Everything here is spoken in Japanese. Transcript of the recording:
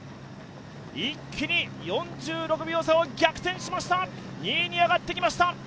一気に４６秒差を逆転しました、２位に上がってきました。